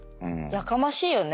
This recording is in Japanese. やかましいよね。